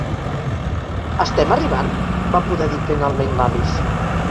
"Estem arribant?" va poder dir finalment l'Alice.